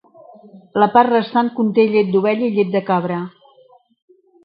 La part restant conté llet d'ovella i llet de cabra.